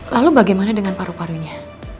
lalu bagaimana dengan paru parunya